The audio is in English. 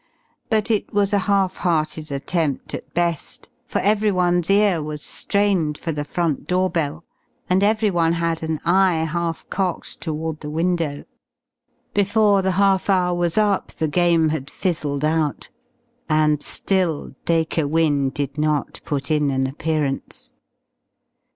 But it was a half hearted attempt at best, for everyone's ear was strained for the front door bell, and everyone had an eye half cocked toward the window. Before the half hour was up the game had fizzled out. And still Dacre Wynne did not put in an appearance.